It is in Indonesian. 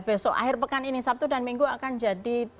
besok akhir pekan ini sabtu dan minggu akan jadi